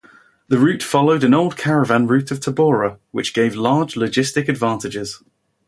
The route followed an old caravan route to Tabora, which gave large logistic advantages.